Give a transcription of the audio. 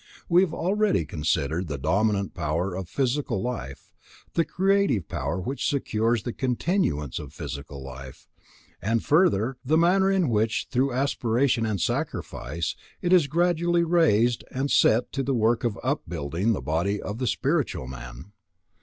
We have already considered the dominant power of physical life, the creative power which secures the continuance of physical life; and, further, the manner in which, through aspiration and sacrifice, it is gradually raised and set to the work of upbuilding the body of the spiritual man.